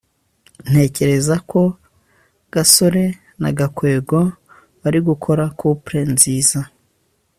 ntekereza ko gasore na gakwego bari gukora couple nziza